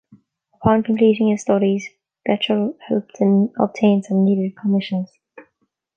Upon completing his studies, Bechtel helped him obtain some needed commissions.